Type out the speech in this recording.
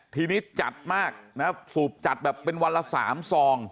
ทีนี้จัดมากนะสูบจัดแบบเป็นวันละ๓ซอง